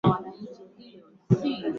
wanapenda waendelee na sera hiyo